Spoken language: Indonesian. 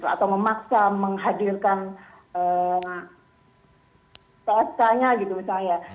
atau memaksa menghadirkan psk nya gitu misalnya